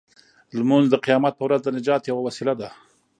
لمونځ د قیامت په ورځ د نجات یوه وسیله ده.